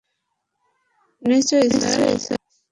নিশ্চয়ই, স্যার।